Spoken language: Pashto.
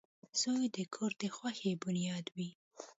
• زوی د کور د خوښۍ بنیاد وي.